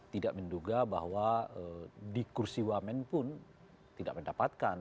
tidak menduga bahwa di kursi wamen pun tidak mendapatkan